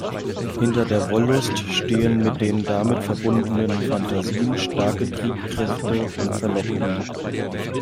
Hinter der Wollust stehen mit den damit verbundenen Fantasien starke Triebkräfte und Verlockungen.